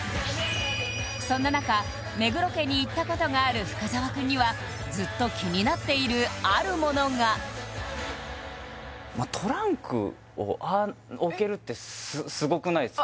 そんな中目黒家に行ったことがある深澤くんにはずっと気になっているある物がトランクをああ置けるってすごくないっすか？